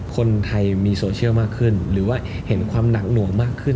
คนไทยมีโซเชียลมากขึ้นหรือว่าเห็นความหนักหน่วงมากขึ้น